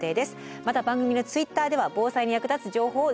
また番組のＴｗｉｔｔｅｒでは防災に役立つ情報を随時発信します。